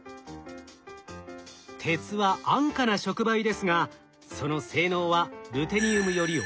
鉄は安価な触媒ですがその性能はルテニウムより劣ります。